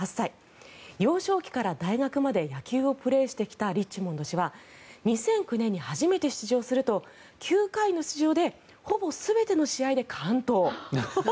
幼少期から大学まで野球をプレーしてきたリッチモンド氏は２００９年に初めて出場すると９回の出場でほぼ全ての試合で完投。